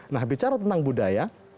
nah bicara tentang budaya